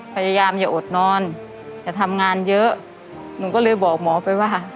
พยายามอย่าอดนอนอย่าทำงานเยอะหนูก็เลยบอกหมอไปว่า